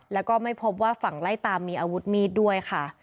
แล้วก็ไม่พบว่าฝั่งไล่ตามมีอาวุธมีดด้วยค่ะ